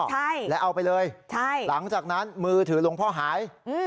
ใช่แล้วเอาไปเลยใช่หลังจากนั้นมือถือหลวงพ่อหายอืม